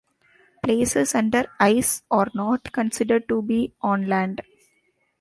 Places under ice are not considered to be on land.